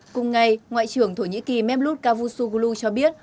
cùng ngày ngoại trưởng thổ nhĩ kỳ memlut cavusoglu cho biết